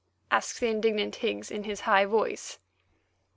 asked the indignant Higgs in his high voice.